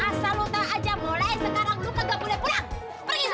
asal lu tak ajak mulai sekarang